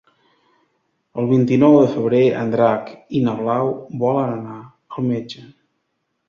El vint-i-nou de febrer en Drac i na Blau volen anar al metge.